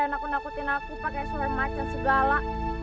nakut nakutin aku pake suara macet segala